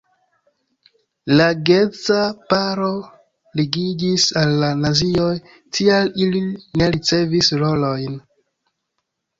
La geedza paro ligiĝis al la nazioj, tial ili ne ricevis rolojn.